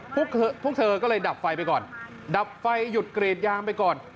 พวกเธอก็เลยดับไฟไปก่อนดับไฟหยุดเกรดยางไปก่อน